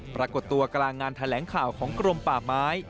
ปรากฏตัวกลางงานแถลงข่าวของกรมป่าไม้